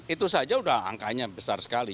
itu saja sudah angkanya besar sekali